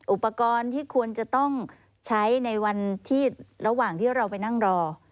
อุปกรณ์ที่ควรจะต้องใช้ในวันที่ระหว่างที่เราไปนั่งรอ